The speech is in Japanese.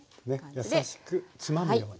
優しくつまむように。